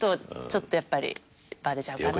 ちょっとやっぱりバレちゃうかな。